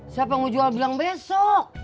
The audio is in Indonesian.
siapa yang mau jual bilang besok